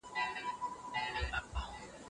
مسواک وهل د بدن دفاعي سیسټم قوی کوي.